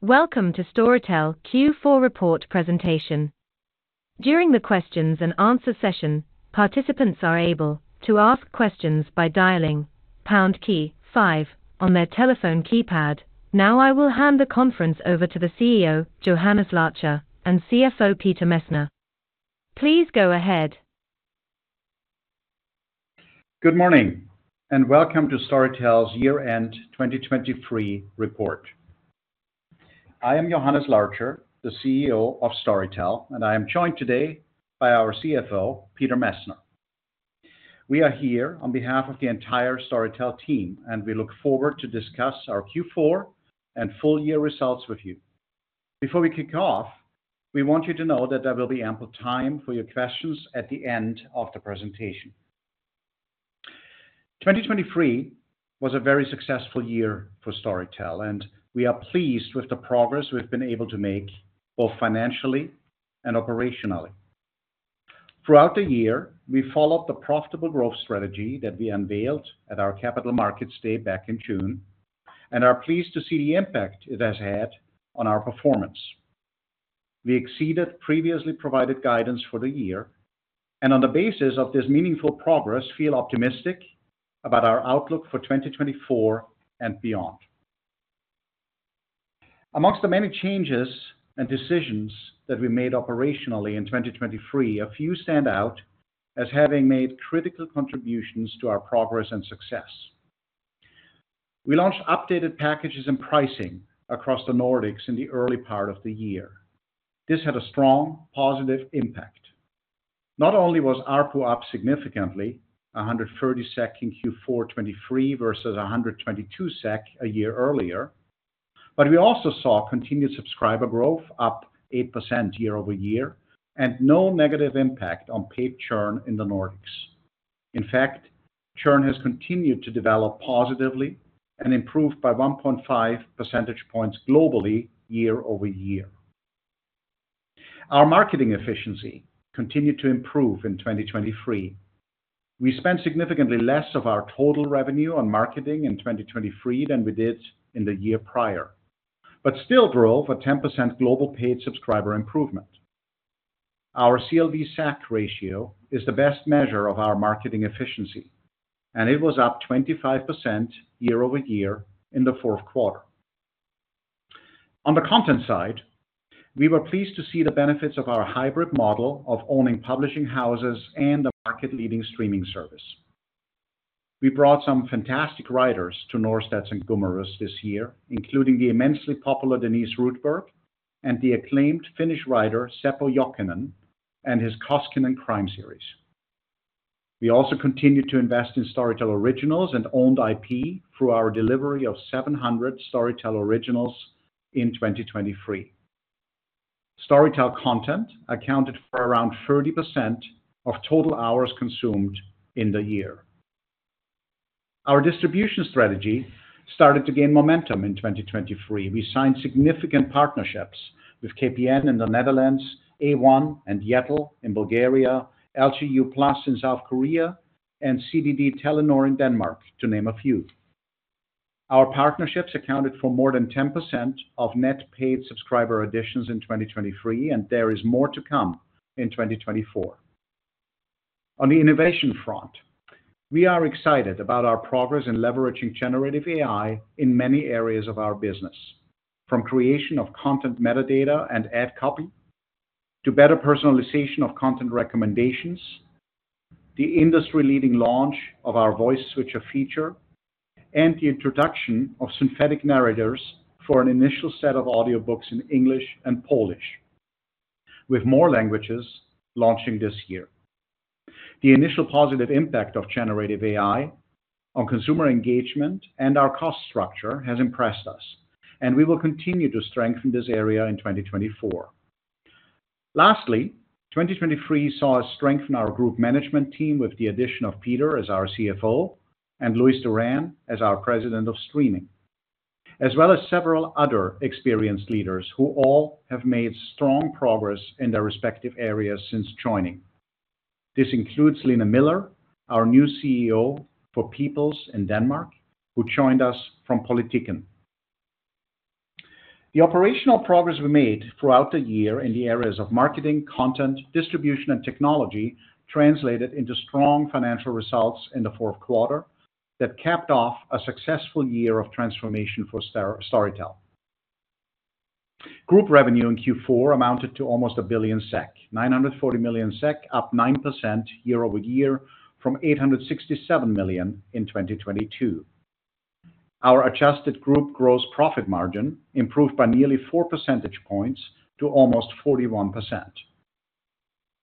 Welcome to Storytel Q4 report presentation. During the questions-and-answers session, participants are able to ask questions by dialing pound key five on their telephone keypad. Now I will hand the conference over to the CEO Johannes Larcher and CFO Peter Messner. Please go ahead. Good morning and welcome to Storytel's year-end 2023 report. I am Johannes Larcher, the CEO of Storytel, and I am joined today by our CFO, Peter Messner. We are here on behalf of the entire Storytel team, and we look forward to discuss our Q4 and full-year results with you. Before we kick off, we want you to know that there will be ample time for your questions at the end of the presentation. 2023 was a very successful year for Storytel, and we are pleased with the progress we've been able to make both financially and operationally. Throughout the year, we followed the profitable growth strategy that we unveiled at our capital markets day back in June and are pleased to see the impact it has had on our performance. We exceeded previously provided guidance for the year and, on the basis of this meaningful progress, feel optimistic about our outlook for 2024 and beyond. Among the many changes and decisions that we made operationally in 2023, a few stand out as having made critical contributions to our progress and success. We launched updated packages and pricing across the Nordics in the early part of the year. This had a strong positive impact. Not only was ARPU up significantly, 130 SEK in Q4 2023 versus 122 SEK a year earlier, but we also saw continued subscriber growth up 8% year-over-year and no negative impact on paid churn in the Nordics. In fact, churn has continued to develop positively and improved by 1.5% points globally year-over-year. Our marketing efficiency continued to improve in 2023. We spent significantly less of our total revenue on marketing in 2023 than we did in the year prior, but still drove a 10% global paid subscriber improvement. Our CLV:CAC ratio is the best measure of our marketing efficiency, and it was up 25% year over year in the fourth quarter. On the content side, we were pleased to see the benefits of our hybrid model of owning publishing houses and a market-leading streaming service. We brought some fantastic writers to Norstedts and Gummerus this year, including the immensely popular Denise Rudberg and the acclaimed Finnish writer Seppo Jokinen and his Koskinen crime series. We also continued to invest in Storytel Originals and owned IP through our delivery of 700 Storytel Originals in 2023. Storytel content accounted for around 30% of total hours consumed in the year. Our distribution strategy started to gain momentum in 2023. We signed significant partnerships with KPN in the Netherlands, A1 and Yettel in Bulgaria, LG U+ in South Korea, and TDC, Telenor in Denmark, to name a few. Our partnerships accounted for more than 10% of net paid subscriber additions in 2023, and there is more to come in 2024. On the innovation front, we are excited about our progress in leveraging generative AI in many areas of our business, from creation of content metadata and ad copy to better personalization of content recommendations, the industry-leading launch of our Voice Switcher feature, and the introduction of synthetic narrators for an initial set of audiobooks in English and Polish with more languages launching this year. The initial positive impact of generative AI on consumer engagement and our cost structure has impressed us, and we will continue to strengthen this area in 2024. Lastly, 2023 saw us strengthen our group management team with the addition of Peter as our CFO and Luis Duran as our President of Streaming, as well as several other experienced leaders who all have made strong progress in their respective areas since joining. This includes Line Miller, our new CEO of People's in Denmark, who joined us from Politikens Forlag. The operational progress we made throughout the year in the areas of marketing, content, distribution, and technology translated into strong financial results in the fourth quarter that capped off a successful year of transformation for Storytel. Group revenue in Q4 amounted to almost a billion SEK, 940 million SEK, up 9% year-over-year from 867 million in 2022. Our adjusted group growth profit margin improved by nearly 4% points to almost 41%.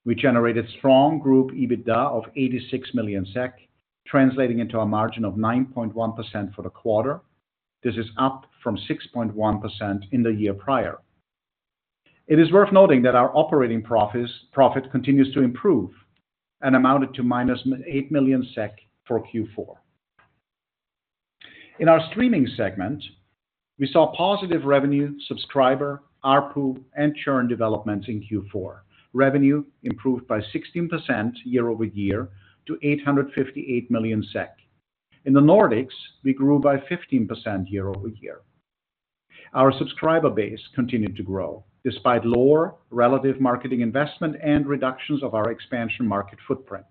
We generated strong group EBITDA of 86 million SEK, translating into a margin of 9.1% for the quarter. This is up from 6.1% in the year prior. It is worth noting that our operating profit continues to improve and amounted to minus 8 million SEK for Q4. In our streaming segment, we saw positive revenue, subscriber, ARPU, and churn developments in Q4. Revenue improved by 16% year-over-year to 858 million SEK. In the Nordics, we grew by 15% year-over-year. Our subscriber base continued to grow despite lower relative marketing investment and reductions of our expansion market footprint.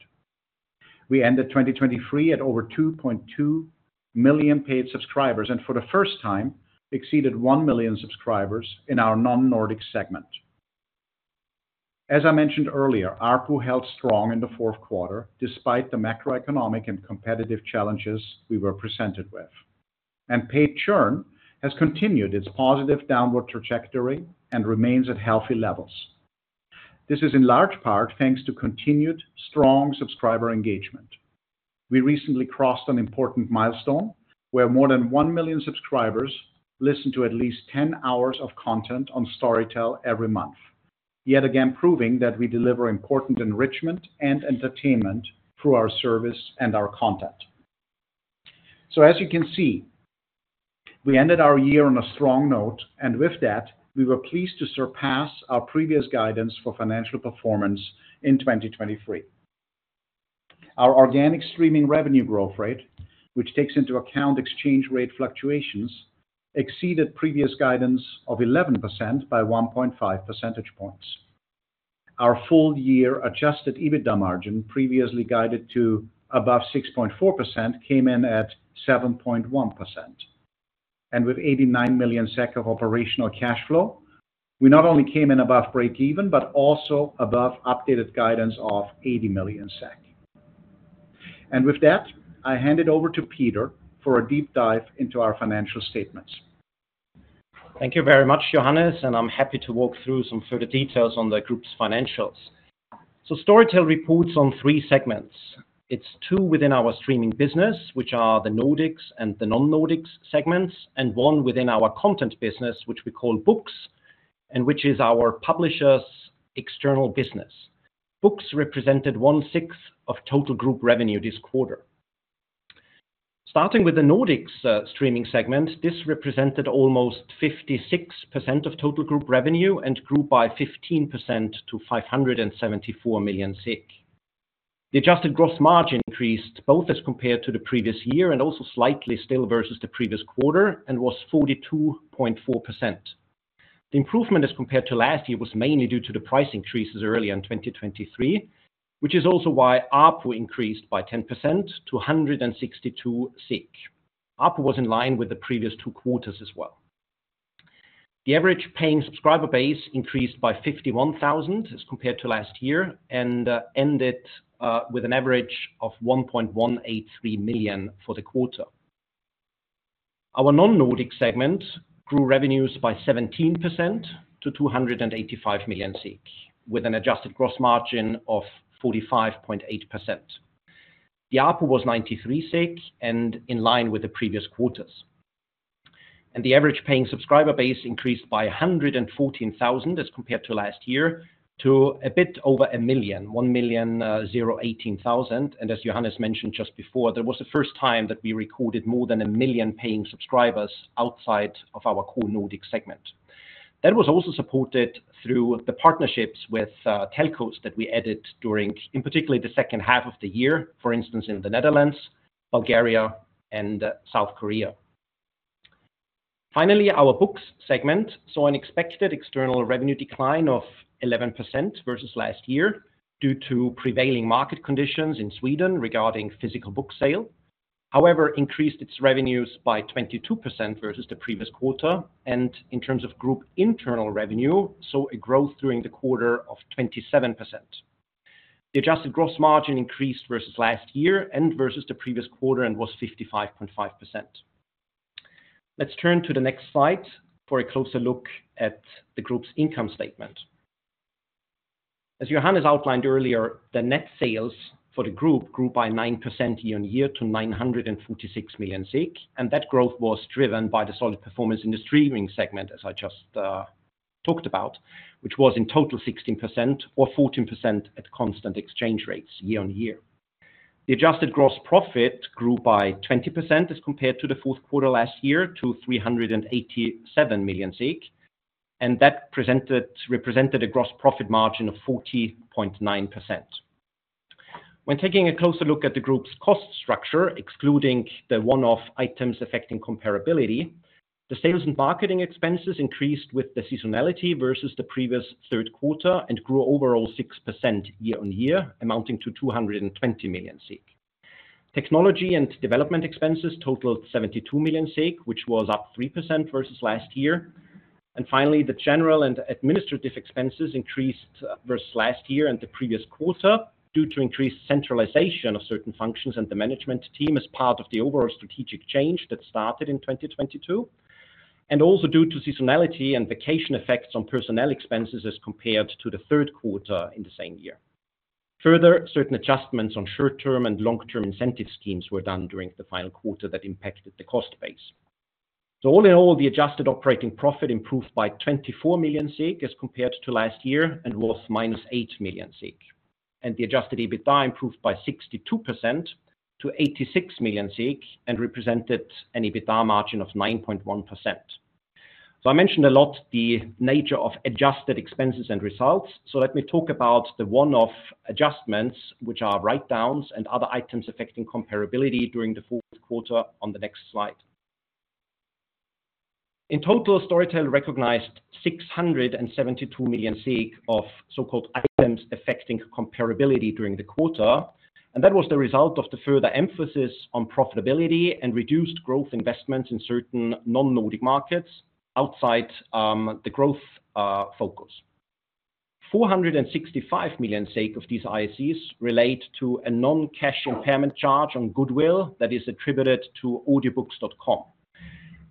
We ended 2023 at over 2.2 million paid subscribers and, for the first time, exceeded 1 million subscribers in our non-Nordic segment. As I mentioned earlier, ARPU held strong in the fourth quarter despite the macroeconomic and competitive challenges we were presented with, and paid churn has continued its positive downward trajectory and remains at healthy levels. This is in large part thanks to continued strong subscriber engagement. We recently crossed an important milestone where more than 1 million subscribers listen to at least 10 hours of content on Storytel every month, yet again proving that we deliver important enrichment and entertainment through our service and our content. So, as you can see, we ended our year on a strong note, and with that, we were pleased to surpass our previous guidance for financial performance in 2023. Our organic streaming revenue growth rate, which takes into account exchange rate fluctuations, exceeded previous guidance of 11% by 1.5% points. Our full-year adjusted EBITDA margin, previously guided to above 6.4%, came in at 7.1%. With 89 million SEK of operational cash flow, we not only came in above break-even but also above updated guidance of 80 million SEK. With that, I hand it over to Peter for a deep dive into our financial statements. Thank you very much, Johannes, and I'm happy to walk through some further details on the group's financials. Storytel reports on three segments. It's two within our streaming business, which are the Nordics and the non-Nordics segments, and one within our content business, which we call Books and which is our publisher's external business. Books represented one-sixth of total group revenue this quarter. Starting with the Nordics streaming segment, this represented almost 56% of total group revenue and grew by 15% to 574 million SEK. The adjusted gross margin increased both as compared to the previous year and also slightly still versus the previous quarter and was 42.4%. The improvement as compared to last year was mainly due to the price increases earlier in 2023, which is also why ARPU increased by 10% to 162. ARPU was in line with the previous two quarters as well. The average paying subscriber base increased by 51,000 as compared to last year and ended with an average of 1.183 million for the quarter. Our non-Nordic segment grew revenues by 17% to 285 million with an adjusted gross margin of 45.8%. The ARPU was 93 SEK and in line with the previous quarters. The average paying subscriber base increased by 114,000 as compared to last year to a bit over a million, 1,018,000. As Johannes mentioned just before, there was the first time that we recorded more than a million paying subscribers outside of our core Nordic segment. That was also supported through the partnerships with telcos that we added during, in particular, the second half of the year, for instance, in the Netherlands, Bulgaria, and South Korea. Finally, our Books segment saw an expected external revenue decline of 11% versus last year due to prevailing market conditions in Sweden regarding physical book sale. However, it increased its revenues by 22% versus the previous quarter. In terms of group internal revenue, it saw a growth during the quarter of 27%. The adjusted gross margin increased versus last year and versus the previous quarter and was 55.5%. Let's turn to the next slide for a closer look at the group's income statement. As Johannes outlined earlier, the net sales for the group grew by 9% year-on-year to 946 million, and that growth was driven by the solid performance in the streaming segment, as I just talked about, which was in total 16% or 14% at constant exchange rates year-on-year. The adjusted gross profit grew by 20% as compared to the fourth quarter last year to 387 million, and that represented a gross profit margin of 40.9%. When taking a closer look at the group's cost structure, excluding the one-off items affecting comparability, the sales and marketing expenses increased with the seasonality versus the previous third quarter and grew overall 6% year-on-year, amounting to 220 million. Technology and development expenses totaled 72 million, which was up 3% versus last year. Finally, the general and administrative expenses increased versus last year and the previous quarter due to increased centralization of certain functions and the management team as part of the overall strategic change that started in 2022, and also due to seasonality and vacation effects on personnel expenses as compared to the third quarter in the same year. Further, certain adjustments on short-term and long-term incentive schemes were done during the final quarter that impacted the cost base. So, all in all, the adjusted operating profit improved by 24 million as compared to last year and was minus 8 million. And the adjusted EBITDA improved by 62% to 86 million and represented an EBITDA margin of 9.1%. So, I mentioned a lot the nature of adjusted expenses and results. So, let me talk about the one-off adjustments, which are write-downs and other items affecting comparability during the fourth quarter on the next slide. In total, Storytel recognized 672 million of so-called items affecting comparability during the quarter, and that was the result of the further emphasis on profitability and reduced growth investments in certain non-Nordic markets outside the growth focus. 465 million of these IACs relate to a non-cash impairment charge on goodwill that is attributed to Audiobooks.com.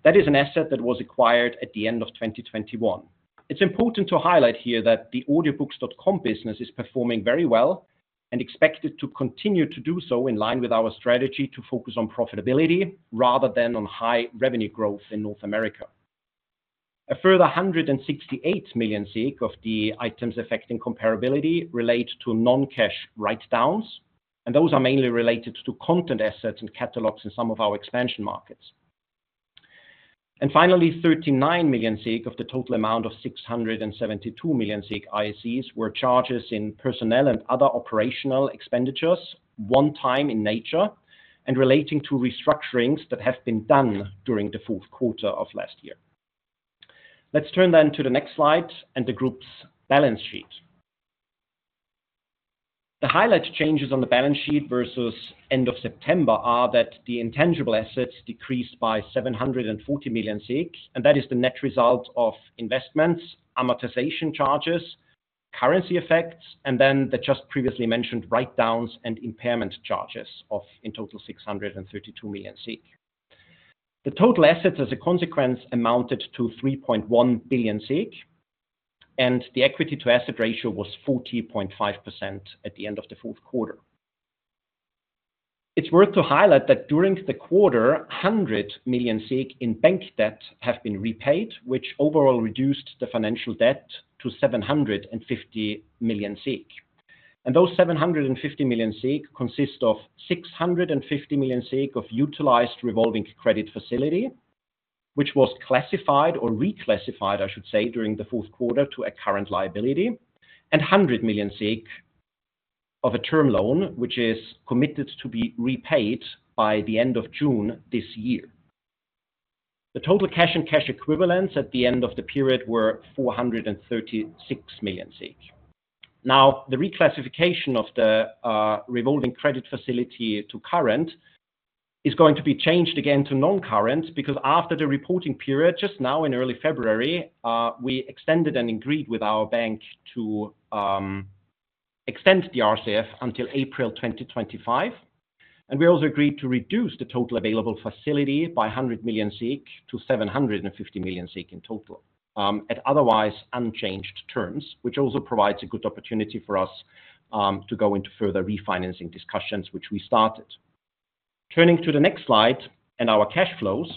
That is an asset that was acquired at the end of 2021. It's important to highlight here that the Audiobooks.com business is performing very well and expected to continue to do so in line with our strategy to focus on profitability rather than on high revenue growth in North America. A further 168 million of the Items Affecting Comparability relate to non-cash write-downs, and those are mainly related to content assets and catalogs in some of our expansion markets. Finally, 39 million of the total amount of 672 million IACs were charges in personnel and other operational expenditures, one-time in nature, and relating to restructurings that have been done during the fourth quarter of last year. Let's turn then to the next slide and the group's balance sheet. The highlight changes on the balance sheet versus end of September are that the intangible assets decreased by 740 million, and that is the net result of investments, amortization charges, currency effects, and then the just previously mentioned write-downs and impairment charges of in total 632 million. The total assets, as a consequence, amounted to 3.1 billion, and the equity-to-asset ratio was 40.5% at the end of the fourth quarter. It's worth to highlight that during the quarter, 100 million in bank debt have been repaid, which overall reduced the financial debt to 750 million. Those 750 million consist of 650 million of utilized revolving credit facility, which was classified or reclassified, I should say, during the fourth quarter to a current liability, and 100 million of a term loan, which is committed to be repaid by the end of June this year. The total cash and cash equivalents at the end of the period were 436 million. Now, the reclassification of the revolving credit facility to current is going to be changed again to non-current because after the reporting period, just now in early February, we extended and agreed with our bank to extend the RCF until April 2025. We also agreed to reduce the total available facility by 100 million to 750 million in total at otherwise unchanged terms, which also provides a good opportunity for us to go into further refinancing discussions, which we started. Turning to the next slide and our cash flows,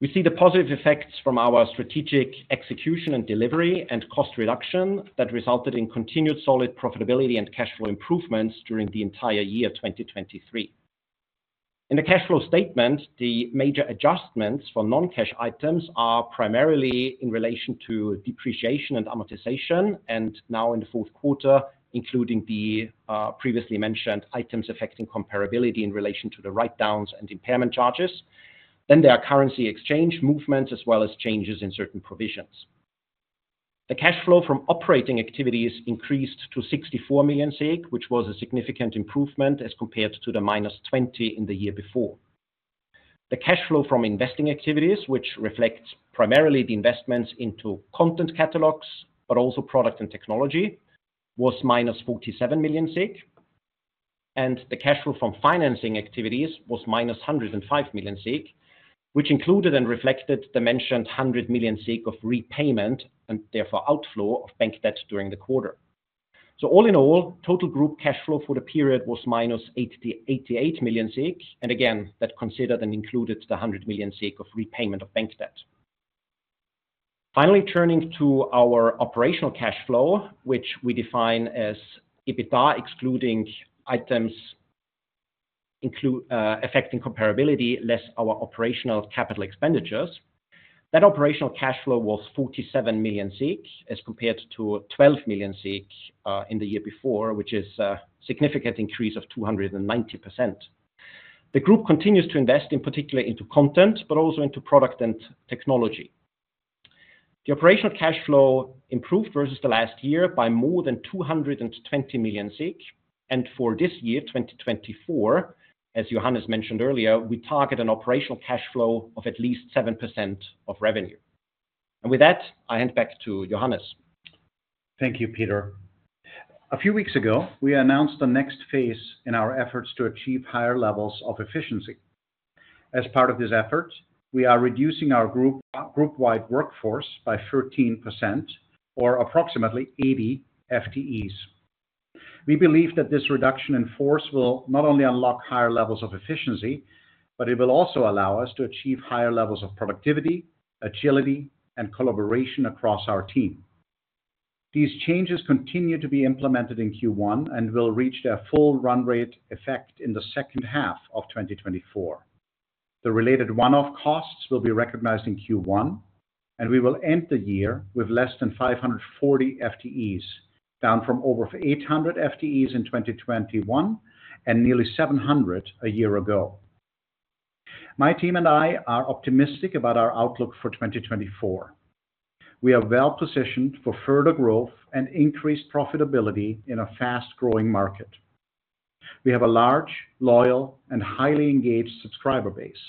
we see the positive effects from our strategic execution and delivery and cost reduction that resulted in continued solid profitability and cash flow improvements during the entire year 2023. In the cash flow statement, the major adjustments for non-cash items are primarily in relation to depreciation and amortization and now in the fourth quarter, including the previously mentioned items affecting comparability in relation to the write-downs and impairment charges. Then there are currency exchange movements as well as changes in certain provisions. The cash flow from operating activities increased to 64 million, which was a significant improvement as compared to the -20 million in the year before. The cash flow from investing activities, which reflects primarily the investments into content catalogs but also product and technology, was -47 million. And the cash flow from financing activities was -105 million, which included and reflected the mentioned 100 million of repayment and therefore outflow of bank debt during the quarter. So, all in all, total group cash flow for the period was -88 million, and again, that considered and included the 100 million of repayment of bank debt. Finally, turning to our operational cash flow, which we define as EBITDA excluding items affecting comparability less our operational capital expenditures, that operational cash flow was 47 million as compared to 12 million in the year before, which is a significant increase of 290%. The group continues to invest, in particular, into content but also into product and technology. The operational cash flow improved versus the last year by more than 220 million. And for this year, 2024, as Johannes mentioned earlier, we target an operational cash flow of at least 7% of revenue. And with that, I hand back to Johannes. Thank you, Peter. A few weeks ago, we announced the next phase in our efforts to achieve higher levels of efficiency. As part of this effort, we are reducing our groupwide workforce by 13% or approximately 80 FTEs. We believe that this reduction in force will not only unlock higher levels of efficiency, but it will also allow us to achieve higher levels of productivity, agility, and collaboration across our team. These changes continue to be implemented in Q1 and will reach their full run-rate effect in the second half of 2024. The related one-off costs will be recognized in Q1, and we will end the year with less than 540 FTEs, down from over 800 FTEs in 2021 and nearly 700 a year ago. My team and I are optimistic about our outlook for 2024. We are well-positioned for further growth and increased profitability in a fast-growing market. We have a large, loyal, and highly engaged subscriber base.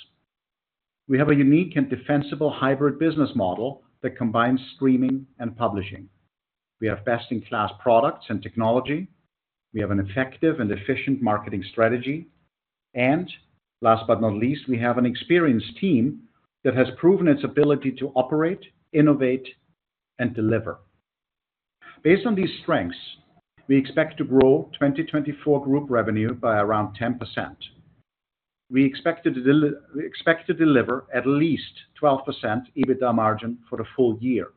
We have a unique and defensible hybrid business model that combines streaming and publishing. We have best-in-class products and technology. We have an effective and efficient marketing strategy. And last but not least, we have an experienced team that has proven its ability to operate, innovate, and deliver. Based on these strengths, we expect to grow 2024 group revenue by around 10%. We expect to deliver at least 12% EBITDA margin for the full year,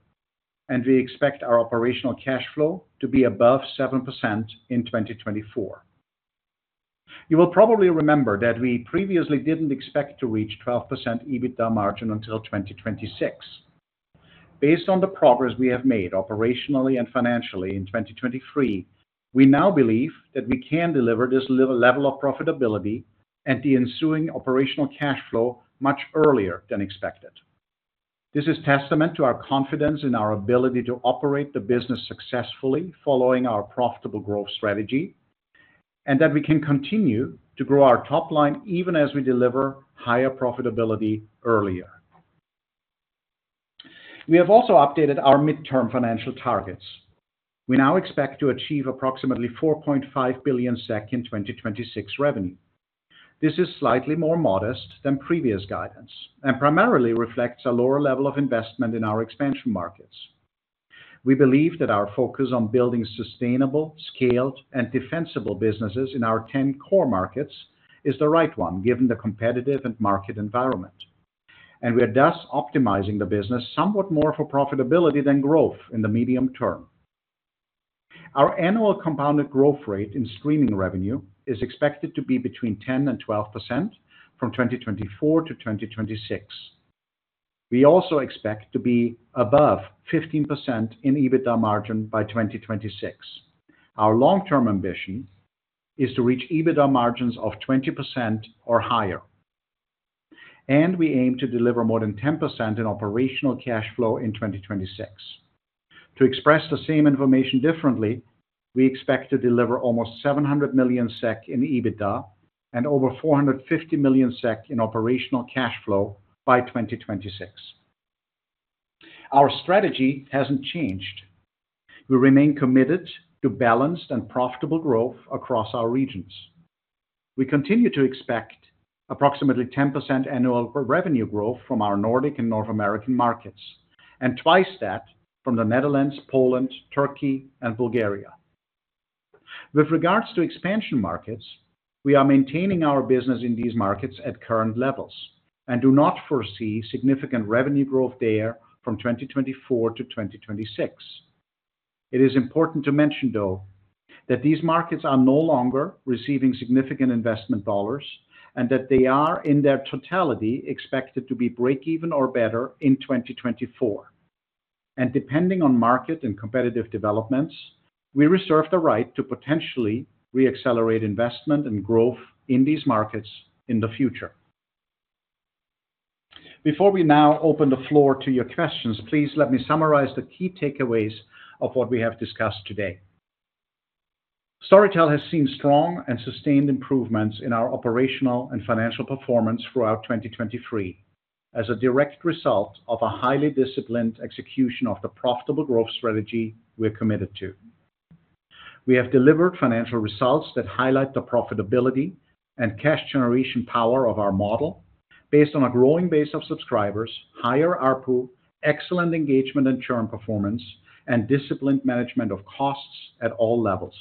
and we expect our operational cash flow to be above 7% in 2024. You will probably remember that we previously didn't expect to reach 12% EBITDA margin until 2026. Based on the progress we have made operationally and financially in 2023, we now believe that we can deliver this level of profitability and the ensuing operational cash flow much earlier than expected. This is testament to our confidence in our ability to operate the business successfully following our profitable growth strategy and that we can continue to grow our top line even as we deliver higher profitability earlier. We have also updated our midterm financial targets. We now expect to achieve approximately 4.5 billion SEK in 2026 revenue. This is slightly more modest than previous guidance and primarily reflects a lower level of investment in our expansion markets. We believe that our focus on building sustainable, scaled, and defensible businesses in our 10 core markets is the right one given the competitive and market environment, and we are thus optimizing the business somewhat more for profitability than growth in the medium term. Our annual compounded growth rate in streaming revenue is expected to be between 10%-12% from 2024 to 2026. We also expect to be above 15% in EBITDA margin by 2026. Our long-term ambition is to reach EBITDA margins of 20% or higher, and we aim to deliver more than 10% in operational cash flow in 2026. To express the same information differently, we expect to deliver almost 700 million SEK in EBITDA and over 450 million SEK in operational cash flow by 2026. Our strategy hasn't changed. We remain committed to balanced and profitable growth across our regions. We continue to expect approximately 10% annual revenue growth from our Nordic and North American markets and twice that from the Netherlands, Poland, Turkey, and Bulgaria. With regards to expansion markets, we are maintaining our business in these markets at current levels and do not foresee significant revenue growth there from 2024 to 2026. It is important to mention, though, that these markets are no longer receiving significant investment dollars and that they are, in their totality, expected to be break-even or better in 2024. Depending on market and competitive developments, we reserve the right to potentially reaccelerate investment and growth in these markets in the future. Before we now open the floor to your questions, please let me summarize the key takeaways of what we have discussed today. Storytel has seen strong and sustained improvements in our operational and financial performance throughout 2023 as a direct result of a highly disciplined execution of the profitable growth strategy we are committed to. We have delivered financial results that highlight the profitability and cash generation power of our model based on a growing base of subscribers, higher ARPU, excellent engagement and churn performance, and disciplined management of costs at all levels.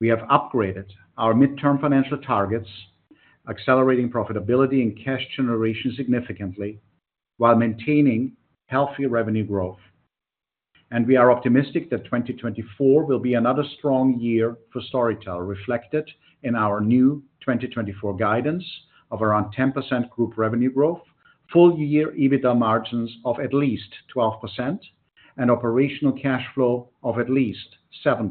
We have upgraded our midterm financial targets, accelerating profitability and cash generation significantly while maintaining healthy revenue growth. We are optimistic that 2024 will be another strong year for Storytel, reflected in our new 2024 guidance of around 10% group revenue growth, full-year EBITDA margins of at least 12%, and operational cash flow of at least 7%.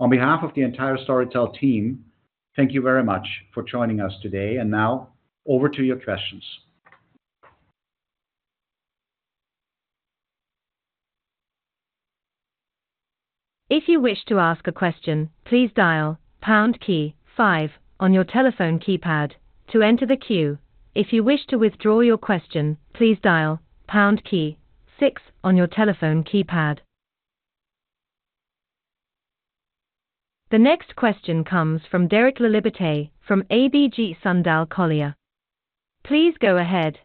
On behalf of the entire Storytel team, thank you very much for joining us today. Now over to your questions. If you wish to ask a question, please dial pound key 5 on your telephone keypad to enter the queue. If you wish to withdraw your question, please dial pound key 6 on your telephone keypad. The next question comes from Derek Laliberte from ABG Sundal Collier. Please go ahead.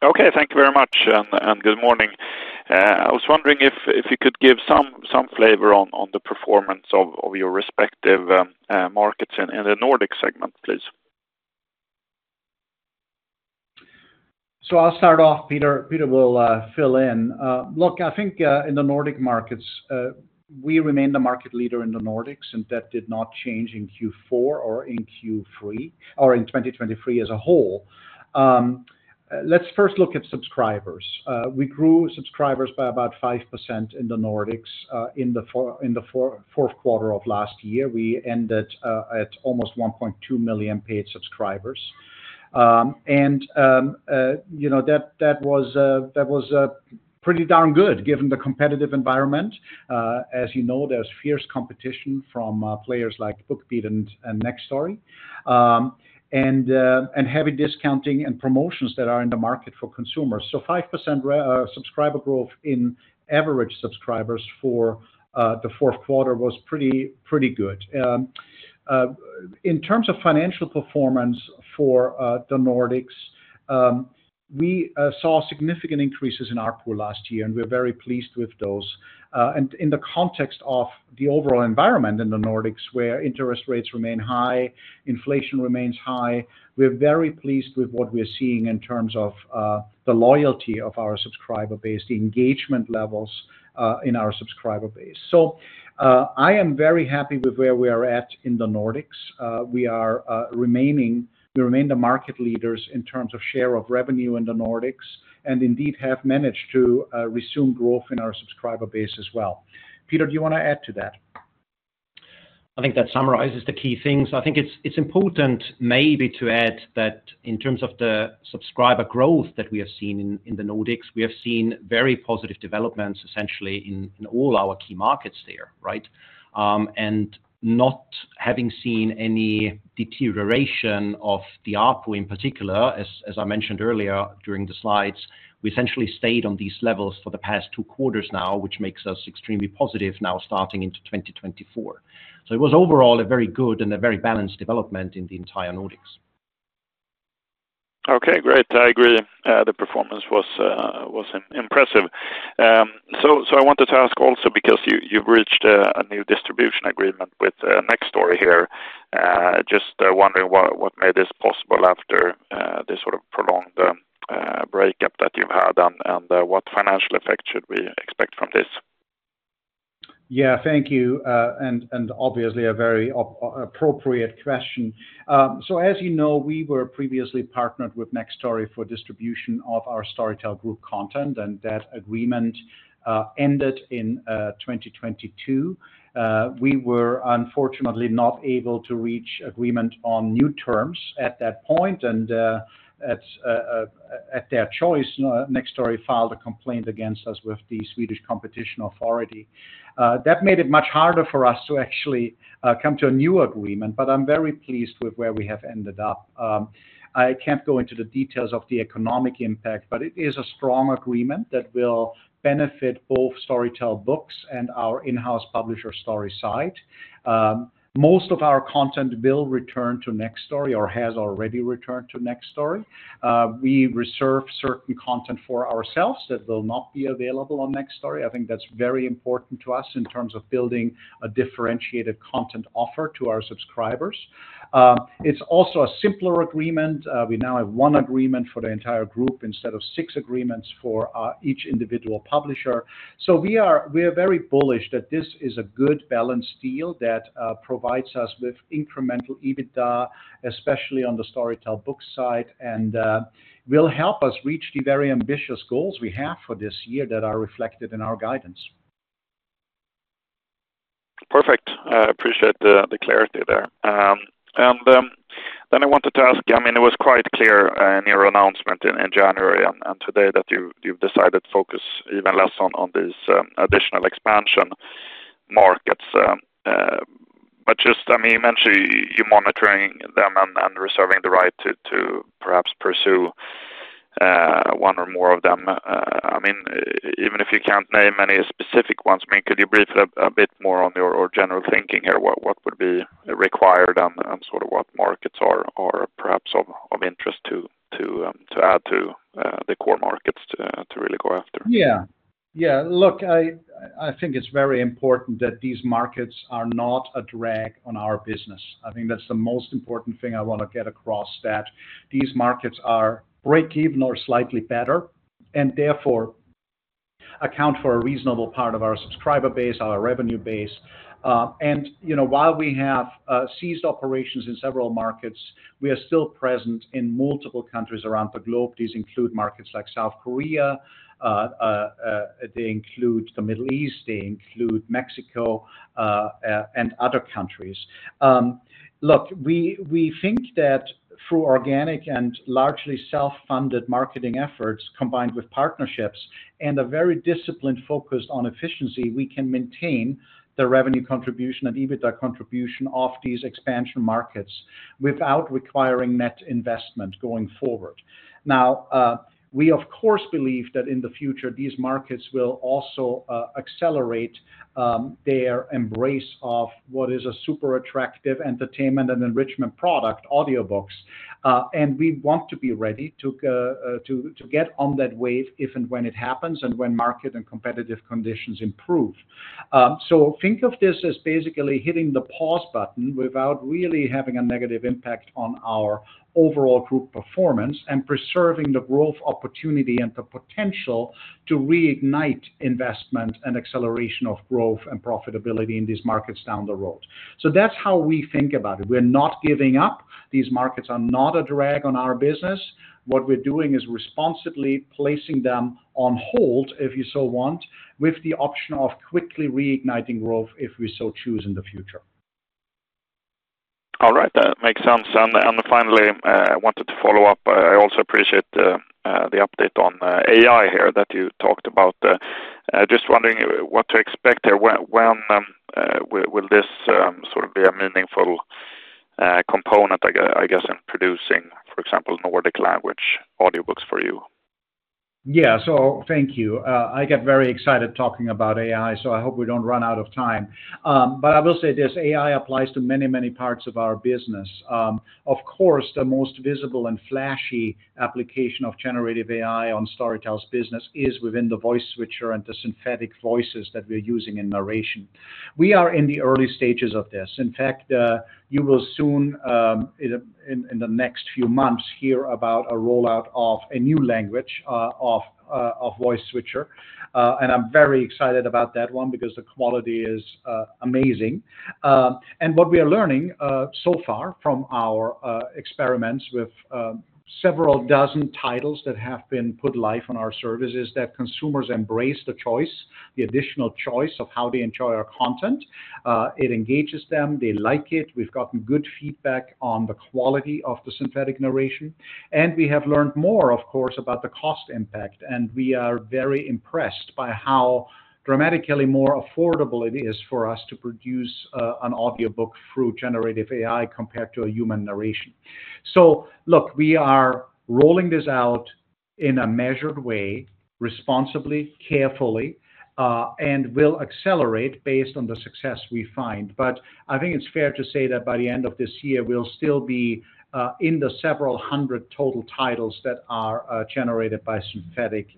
Okay. Thank you very much. And good morning. I was wondering if you could give some flavor on the performance of your respective markets in the Nordic segment, please. So I'll start off. Peter will fill in. Look, I think in the Nordic markets, we remain the market leader in the Nordics, and that did not change in Q4 or in Q3 or in 2023 as a whole. Let's first look at subscribers. We grew subscribers by about 5% in the Nordics in the fourth quarter of last year. We ended at almost 1.2 million paid subscribers. And that was pretty darn good given the competitive environment. As you know, there's fierce competition from players like BookBeat and Nextory and heavy discounting and promotions that are in the market for consumers. So 5% subscriber growth in average subscribers for the fourth quarter was pretty good. In terms of financial performance for the Nordics, we saw significant increases in ARPU last year, and we're very pleased with those. In the context of the overall environment in the Nordics, where interest rates remain high, inflation remains high, we're very pleased with what we're seeing in terms of the loyalty of our subscriber base, the engagement levels in our subscriber base. I am very happy with where we are at in the Nordics. We remain the market leaders in terms of share of revenue in the Nordics and indeed have managed to resume growth in our subscriber base as well. Peter, do you want to add to that? I think that summarizes the key things. I think it's important maybe to add that in terms of the subscriber growth that we have seen in the Nordics, we have seen very positive developments essentially in all our key markets there, right? And not having seen any deterioration of the ARPU in particular, as I mentioned earlier during the slides, we essentially stayed on these levels for the past two quarters now, which makes us extremely positive now starting into 2024. So it was overall a very good and a very balanced development in the entire Nordics. Okay. Great. I agree. The performance was impressive. So I wanted to ask also because you've reached a new distribution agreement with Nextory here, just wondering what made this possible after this sort of prolonged breakup that you've had and what financial effect should we expect from this? Yeah. Thank you. Obviously, a very appropriate question. So as you know, we were previously partnered with Nextory for distribution of our Storytel Group content, and that agreement ended in 2022. We were, unfortunately, not able to reach agreement on new terms at that point. And at their choice, Nextory filed a complaint against us with the Swedish Competition Authority. That made it much harder for us to actually come to a new agreement, but I'm very pleased with where we have ended up. I can't go into the details of the economic impact, but it is a strong agreement that will benefit both Storytel Books and our in-house publisher, StorySide. Most of our content will return to Nextory or has already returned to Nextory. We reserve certain content for ourselves that will not be available on Nextory. I think that's very important to us in terms of building a differentiated content offer to our subscribers. It's also a simpler agreement. We now have one agreement for the entire group instead of six agreements for each individual publisher. We are very bullish that this is a good balanced deal that provides us with incremental EBITDA, especially on the Storytel Books side, and will help us reach the very ambitious goals we have for this year that are reflected in our guidance. Perfect. I appreciate the clarity there. And then I wanted to ask, I mean, it was quite clear in your announcement in January and today that you've decided to focus even less on these additional expansion markets. But just, I mean, you mentioned you're monitoring them and reserving the right to perhaps pursue one or more of them. I mean, even if you can't name any specific ones, I mean, could you brief a bit more on your general thinking here? What would be required and sort of what markets are perhaps of interest to add to the core markets to really go after? Yeah. Yeah. Look, I think it's very important that these markets are not a drag on our business. I think that's the most important thing I want to get across, that these markets are break-even or slightly better and therefore account for a reasonable part of our subscriber base, our revenue base. While we have ceased operations in several markets, we are still present in multiple countries around the globe. These include markets like South Korea. They include the Middle East. They include Mexico and other countries. Look, we think that through organic and largely self-funded marketing efforts combined with partnerships and a very disciplined focus on efficiency, we can maintain the revenue contribution and EBITDA contribution of these expansion markets without requiring net investment going forward. Now, we, of course, believe that in the future, these markets will also accelerate their embrace of what is a super attractive entertainment and enrichment product, audiobooks. And we want to be ready to get on that wave if and when it happens and when market and competitive conditions improve. So think of this as basically hitting the pause button without really having a negative impact on our overall group performance and preserving the growth opportunity and the potential to reignite investment and acceleration of growth and profitability in these markets down the road. So that's how we think about it. We're not giving up. These markets are not a drag on our business. What we're doing is responsibly placing them on hold, if you so want, with the option of quickly reigniting growth if we so choose in the future. All right. That makes sense. And finally, I wanted to follow up. I also appreciate the update on AI here that you talked about. Just wondering what to expect here. When will this sort of be a meaningful component, I guess, in producing, for example, Nordic language audiobooks for you? Yeah. So thank you. I got very excited talking about AI, so I hope we don't run out of time. But I will say this: AI applies to many, many parts of our business. Of course, the most visible and flashy application of generative AI on Storytel's business is within the Voice Switcher and the synthetic voices that we're using in narration. We are in the early stages of this. In fact, you will soon, in the next few months, hear about a rollout of a new language of Voice Switcher. And I'm very excited about that one because the quality is amazing. And what we are learning so far from our experiments with several dozen titles that have been put live on our service is that consumers embrace the choice, the additional choice of how they enjoy our content. It engages them. They like it. We've gotten good feedback on the quality of the synthetic narration. We have learned more, of course, about the cost impact. We are very impressed by how dramatically more affordable it is for us to produce an audiobook through generative AI compared to a human narration. So look, we are rolling this out in a measured way, responsibly, carefully, and will accelerate based on the success we find. But I think it's fair to say that by the end of this year, we'll still be in the several hundred total titles that are generated by synthetic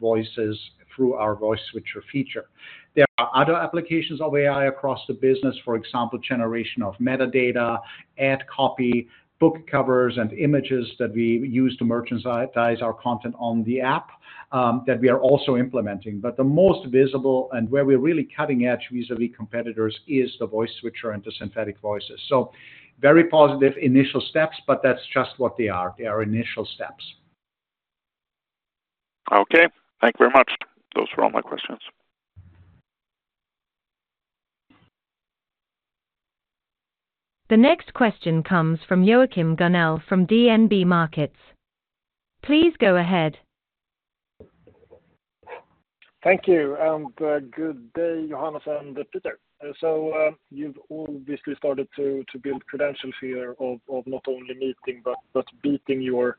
voices through our Voice Switcher feature. There are other applications of AI across the business, for example, generation of metadata, ad copy, book covers, and images that we use to merchandise our content on the app that we are also implementing. But the most visible and where we're really cutting edge vis-à-vis competitors is the Voice Switcher and the synthetic voices. So very positive initial steps, but that's just what they are. They are initial steps. Okay. Thank you very much. Those were all my questions. The next question comes from Joachim Gunell from DNB Markets. Please go ahead. Thank you. And good day, Johannes and Peter. So you've obviously started to build credentials here of not only meeting but beating your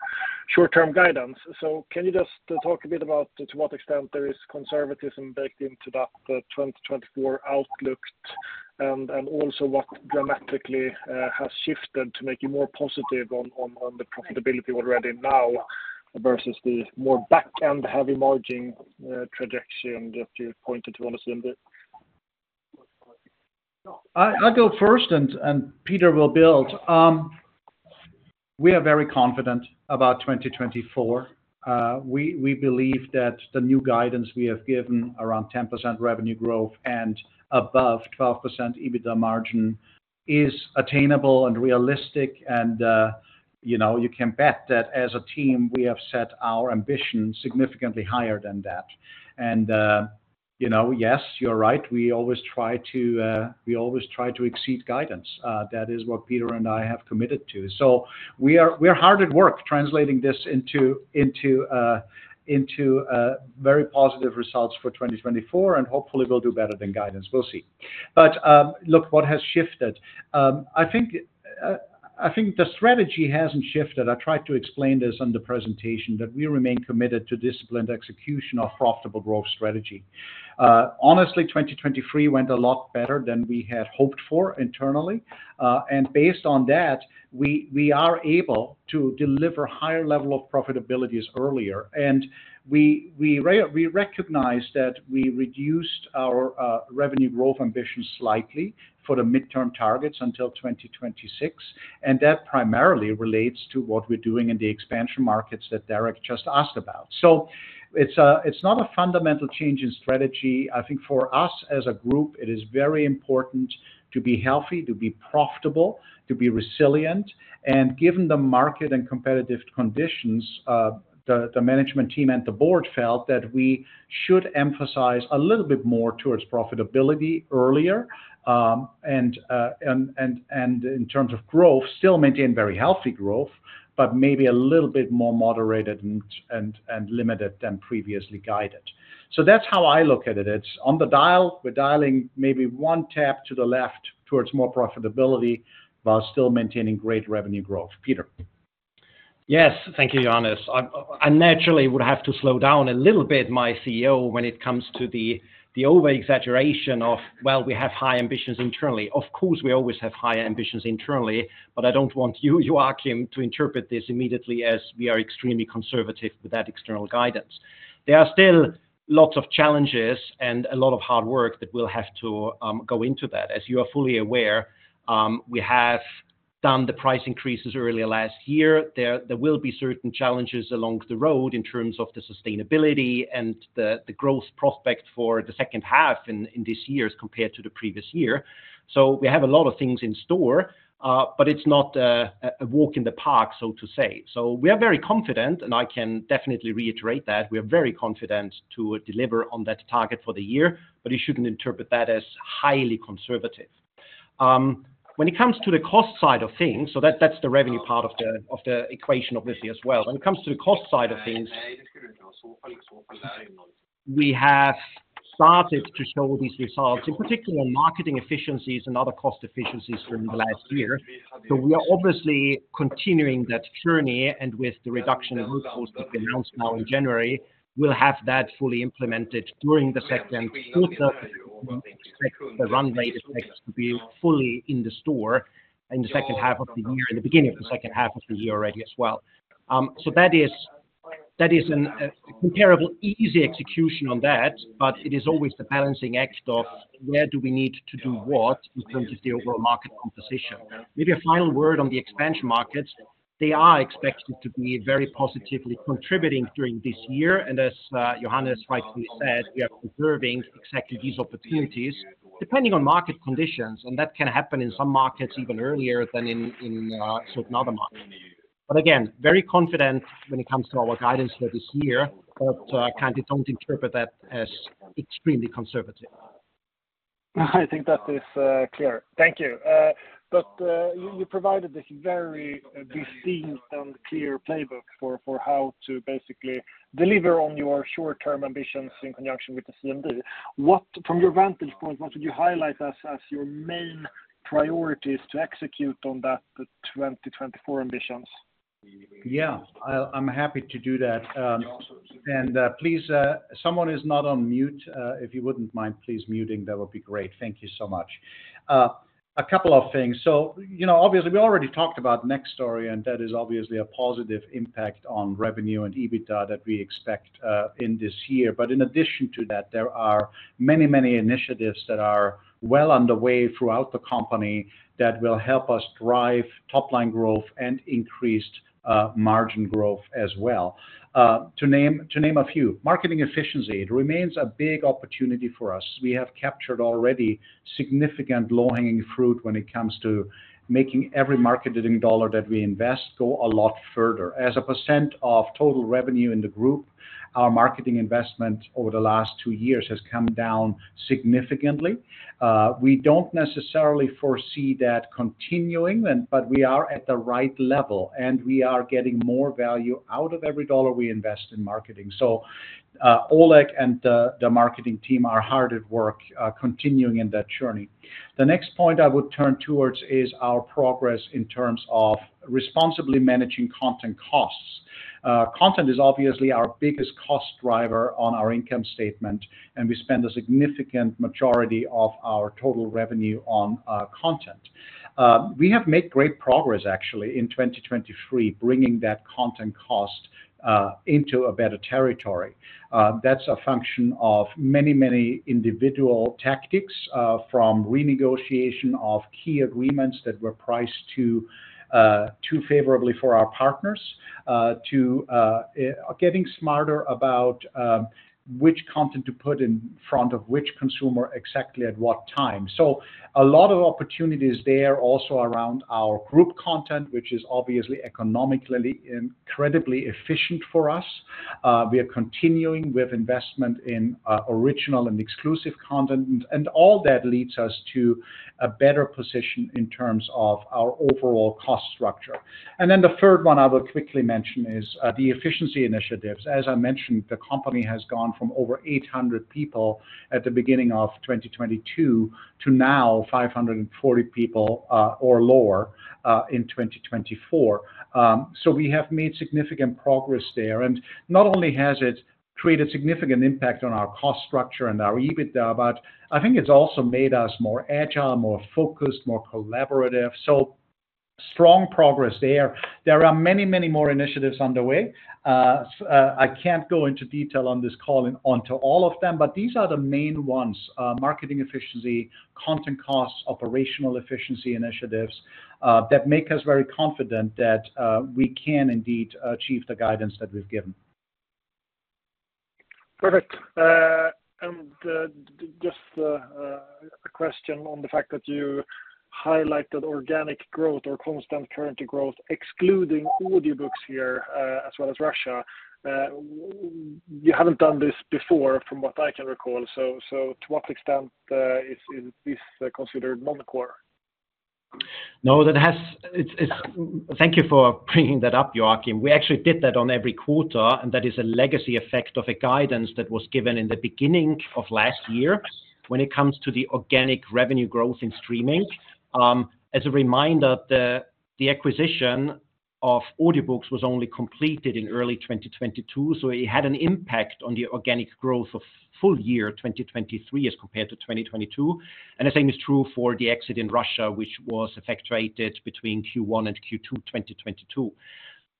short-term guidance. So can you just talk a bit about to what extent there is conservatism baked into that 2024 outlook and also what dramatically has shifted to make you more positive on the profitability already now versus the more back-end, heavy-margin trajectory that you pointed to, honestly, in the? I'll go first, and Peter will build. We are very confident about 2024. We believe that the new guidance we have given around 10% revenue growth and above 12% EBITDA margin is attainable and realistic. You can bet that as a team, we have set our ambition significantly higher than that. Yes, you're right. We always try to exceed guidance. That is what Peter and I have committed to. We are hard at work translating this into very positive results for 2024, and hopefully, we'll do better than guidance. We'll see. Look, what has shifted? I think the strategy hasn't shifted. I tried to explain this on the presentation, that we remain committed to disciplined execution of profitable growth strategy. Honestly, 2023 went a lot better than we had hoped for internally. Based on that, we are able to deliver higher level of profitabilities earlier. We recognize that we reduced our revenue growth ambition slightly for the midterm targets until 2026. That primarily relates to what we're doing in the expansion markets that Derek just asked about. So it's not a fundamental change in strategy. I think for us as a group, it is very important to be healthy, to be profitable, to be resilient. Given the market and competitive conditions, the management team and the board felt that we should emphasize a little bit more towards profitability earlier and in terms of growth, still maintain very healthy growth but maybe a little bit more moderated and limited than previously guided. So that's how I look at it. It's on the dial. We're dialing maybe one tap to the left towards more profitability while still maintaining great revenue growth. Peter? Yes. Thank you, Johannes. I naturally would have to slow down a little bit, my CEO, when it comes to the over-exaggeration of, "Well, we have high ambitions internally." Of course, we always have higher ambitions internally. But I don't want you, Joachim, to interpret this immediately as we are extremely conservative with that external guidance. There are still lots of challenges and a lot of hard work that we'll have to go into that. As you are fully aware, we have done the price increases earlier last year. There will be certain challenges along the road in terms of the sustainability and the growth prospect for the second half in this year compared to the previous year. So we have a lot of things in store, but it's not a walk in the park, so to say. So we are very confident, and I can definitely reiterate that. We are very confident to deliver on that target for the year. But you shouldn't interpret that as highly conservative. When it comes to the cost side of things, so that's the revenue part of the equation, obviously, as well. We have started to show these results, in particular on marketing efficiencies and other cost efficiencies during the last year. So we are obviously continuing that journey. And with the reduction in workforce that we announced now in January, we'll have that fully implemented during the second quarter. We expect the runway to be fully in the store in the second half of the year in the beginning of the second half of the year already as well. So that is a comparable, easy execution on that, but it is always the balancing act of where do we need to do what in terms of the overall market composition. Maybe a final word on the expansion markets. They are expected to be very positively contributing during this year. And as Johannes rightfully said, we are preserving exactly these opportunities depending on market conditions. That can happen in some markets even earlier than in certain other markets. But again, very confident when it comes to our guidance for this year. But kind of don't interpret that as extremely conservative. I think that is clear. Thank you. But you provided this very distinct and clear playbook for how to basically deliver on your short-term ambitions in conjunction with the CMD. From your vantage point, what would you highlight as your main priorities to execute on that 2024 ambitions? Yeah. I'm happy to do that. And please, someone is not on mute. If you wouldn't mind please muting, that would be great. Thank you so much. A couple of things. So obviously, we already talked about Nextory, and that is obviously a positive impact on revenue and EBITDA that we expect in this year. But in addition to that, there are many, many initiatives that are well underway throughout the company that will help us drive top-line growth and increased margin growth as well. To name a few, marketing efficiency. It remains a big opportunity for us. We have captured already significant low-hanging fruit when it comes to making every marketing dollar that we invest go a lot further. As a percent of total revenue in the group, our marketing investment over the last two years has come down significantly. We don't necessarily foresee that continuing, but we are at the right level, and we are getting more value out of every dollar we invest in marketing. So Oleh and the marketing team are hard at work continuing in that journey. The next point I would turn towards is our progress in terms of responsibly managing content costs. Content is obviously our biggest cost driver on our income statement, and we spend a significant majority of our total revenue on content. We have made great progress, actually, in 2023, bringing that content cost into a better territory. That's a function of many, many individual tactics from renegotiation of key agreements that were priced too favorably for our partners to getting smarter about which content to put in front of which consumer exactly at what time. So a lot of opportunities there also around our group content, which is obviously economically incredibly efficient for us. We are continuing with investment in original and exclusive content. And all that leads us to a better position in terms of our overall cost structure. And then the third one I will quickly mention is the efficiency initiatives. As I mentioned, the company has gone from over 800 people at the beginning of 2022 to now 540 people or lower in 2024. So we have made significant progress there. And not only has it created significant impact on our cost structure and our EBITDA, but I think it's also made us more agile, more focused, more collaborative. So strong progress there. There are many, many more initiatives underway. I can't go into detail on this call on to all of them, but these are the main ones: marketing efficiency, content costs, operational efficiency initiatives that make us very confident that we can indeed achieve the guidance that we've given. Perfect. Just a question on the fact that you highlighted organic growth or constant currency growth excluding audiobooks here as well as Russia. You haven't done this before, from what I can recall. To what extent is this considered non-core? No, that's. Thank you for bringing that up, Joachim. We actually did that on every quarter, and that is a legacy effect of a guidance that was given in the beginning of last year when it comes to the organic revenue growth in streaming. As a reminder, the acquisition of Audiobooks.com was only completed in early 2022. So it had an impact on the organic growth of full year 2023 as compared to 2022. And the same is true for the exit in Russia, which was effectuated between Q1 and Q2 2022.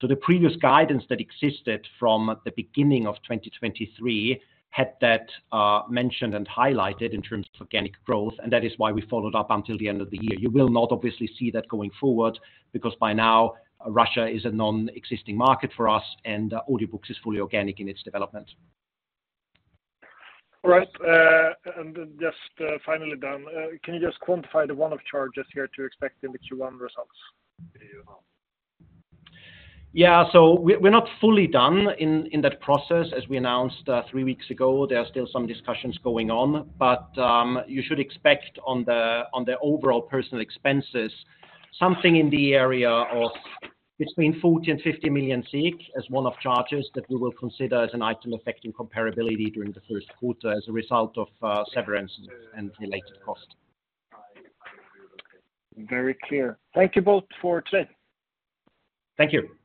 So the previous guidance that existed from the beginning of 2023 had that mentioned and highlighted in terms of organic growth. And that is why we followed up until the end of the year. You will not obviously see that going forward because by now, Russia is a nonexistent market for us, and audiobooks is fully organic in its development. All right. And just finally done, can you just quantify the one-off charges here to expect in the Q1 results? Yeah. So we're not fully done in that process. As we announced three weeks ago, there are still some discussions going on. But you should expect on the overall personal expenses something in the area of between 40 million and 50 million as one-off charges that we will consider as an Item Affecting Comparability during the first quarter as a result of severance and related costs. Very clear. Thank you both for today. Thank you.